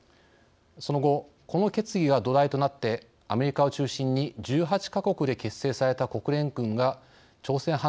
その後この決議が土台となってアメリカを中心に１８か国で結成された国連軍が朝鮮半島に送られます。